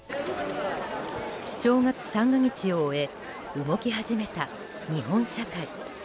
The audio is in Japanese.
正月三が日を終え動き始めた日本社会。